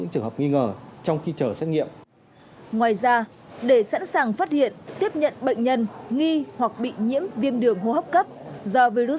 các bệnh nhân có dấu hiệu sốt nghi viêm đường hô hấp cấp do virus